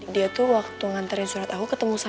dia tuh waktu nganterin surat aku ketemu sama